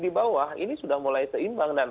dibawah ini sudah mulai seimbang dan